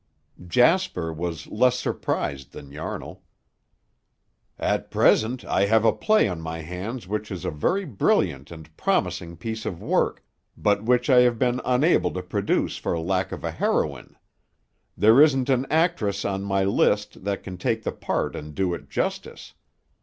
Jasper was less surprised than Yarnall. "At present I have a play on my hands which is a very brilliant and promising piece of work, but which I have been unable to produce for lack of a heroine. There isn't an actress on my list that can take the part and do it justice.